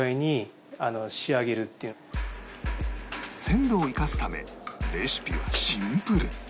鮮度を生かすためレシピはシンプル